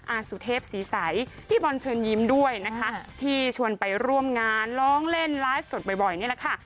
สุเทพศรีใสพี่บอลเชิญยิ้มด้วยนะคะที่ชวนไปร่วมงานร้องเล่นไลฟ์สดบ่อยนี่แหละค่ะ